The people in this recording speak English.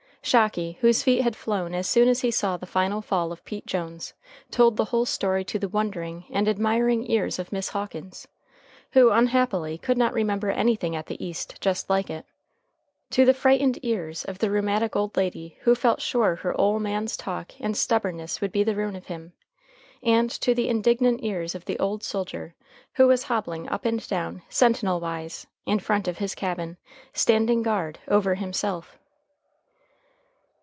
Shocky, whose feet had flown as soon as he saw the final fall of Pete Jones, told the whole story to the wondering and admiring ears of Miss Hawkins, who unhappily could not remember anything at the East just like it; to the frightened ears of the rheumatic old lady who felt sure her ole man's talk and stubbornness would be the ruin of him, and to the indignant ears of the old soldier who was hobbling up and down, sentinel wise, in front of his cabin, standing guard over himself.